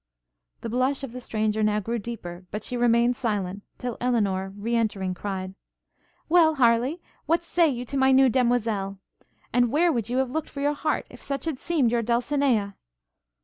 The blush of the stranger now grew deeper, but she remained silent, till Elinor, re entering, cried, 'Well, Harleigh, what say you to my new demoiselle? And where would you have looked for your heart, if such had seemed your Dulcinea?'